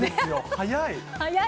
早い。